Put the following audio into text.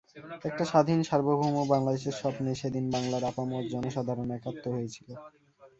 একটা স্বাধীন সার্বভৌম বাংলাদেশের স্বপ্নে সেদিন বাংলার আপামর জনসাধারণ একাত্ম হয়েছিল।